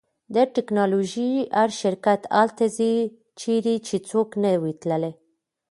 د ټیکنالوژۍ هر شرکت هلته ځي چیرې چې څوک نه وي تللی